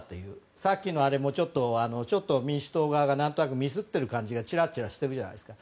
さっきのもちょっと民主党側が何となくミスってる感じがちらちらしてるじゃないですか。